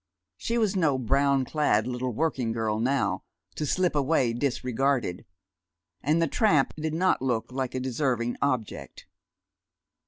She was no brown clad little working girl now, to slip along disregarded. And the tramp did not look like a deserving object.